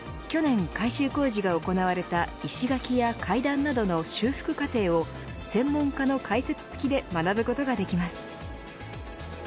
去年改修工事が行われた石垣や階段などの修復過程を専門家の解説付きで学ぶことができます。